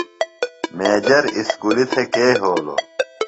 میجر اُسکُلیۡ تھےۡ کے یھولوۡ؟